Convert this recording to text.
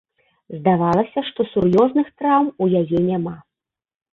Здавалася, што сур'ёзных траўм у яе няма.